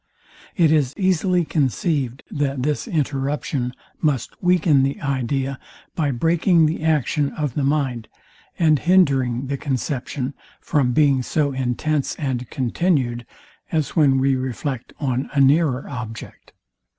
It is easily conceived, that this interruption must weaken the idea by breaking the action of the mind, and hindering the conception from being so intense and continued, as when we reflect on a nearer object.